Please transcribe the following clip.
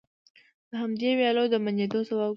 د همدې ويالو د بندېدو سبب ګرځي،